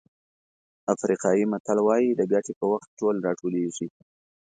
افریقایي متل وایي د ګټې په وخت ټول راټولېږي.